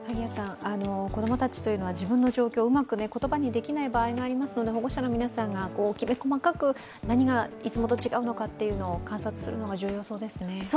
子供たちは自分の状況をうまく言葉にできないことがありますので保護者の皆さんがきめ細かく、何がいつもと違うのかを観察するのが重要そうですね。